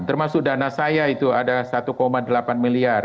termasuk dana saya itu ada satu delapan miliar